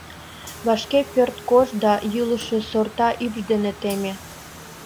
Вашке пӧрт кож да йӱлышӧ сорта ӱпш дене теме.